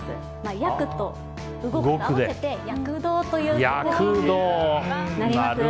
「躍」と「動」と合わせて「躍動」ということになります。